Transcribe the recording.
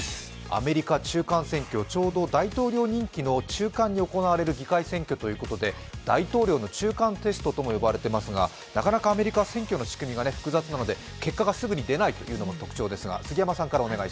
アメリカ中間選挙、ちょうど大統領任期の中間に行われる中間選挙ということで大統領の中間テストとも呼ばれていますがなかなかアメリカは選挙の仕組みが複雑なので結果がすぐに出ないというのも特徴です。